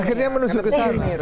akhirnya menuju ke sana